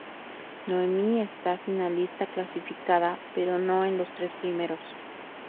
Noemi está finalista clasificada pero no en los tres primeros.